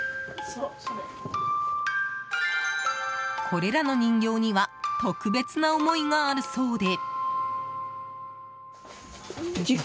これらの人形には特別な思いがあるそうで。